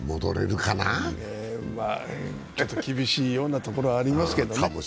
ちょっと厳しいようなところはありますけどね。